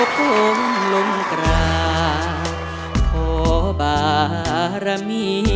ขอบคุณมากครับ